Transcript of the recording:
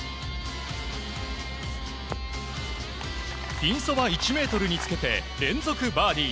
ピンそば１ｍにつけて連続バーディー。